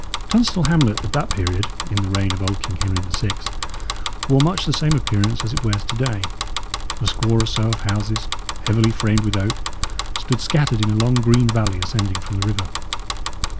Tunstall hamlet at that period, in the reign of old King Henry VI., wore much the same appearance as it wears to day. A score or so of houses, heavily framed with oak, stood scattered in a long green valley ascending from the river.